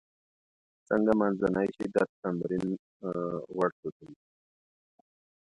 څنګه منځنی شدت تمرین غوړ سوځوي؟